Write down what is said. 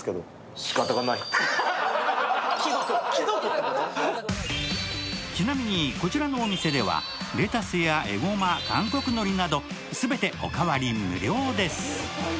そこへちなみに、こちらのお店ではレタスや、えごま、韓国のりなど、全ておかわり無料です。